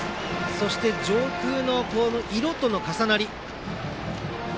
そして上空の色との重なり。